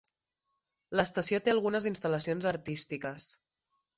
L'estació té algunes instal·lacions artístiques.